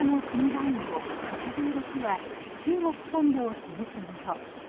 番号８６は中国本土を示すもの。